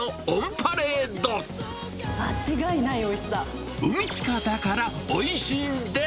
間違いないおいしさ！